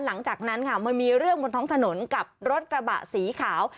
หลังจากนั้นค่ะมันมีเรื่องบนท้องถนนกับรถกระบะสีขาว